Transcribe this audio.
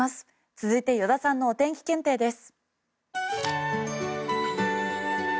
続いて依田さんのお天気検定です。